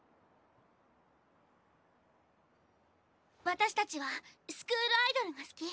私たちはスクールアイドルが好き。